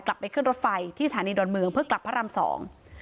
กลับไปขึ้นรถไฟที่สถานีดอนเมืองเพื่อกลับพระรามสอง